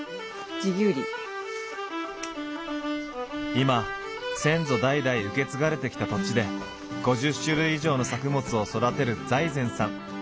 今先祖代々受け継がれてきた土地で５０種類以上の作物を育てる財前さん。